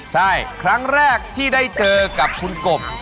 ใช่ครั้งแรกที่ได้เจอกับคุณกบ